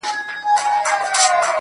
دا شی په گلونو کي راونغاړه.